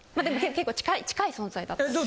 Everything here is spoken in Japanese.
でも結構近い存在だった。